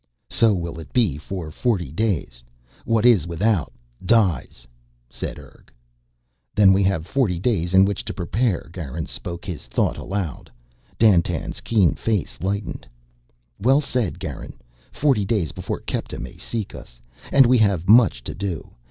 "So will it be for forty days. What is without dies," said Urg. "Then we have forty days in which to prepare," Garin spoke his thought aloud. Dandtan's keen face lightened. "Well said, Garin. Forty days before Kepta may seek us. And we have much to do.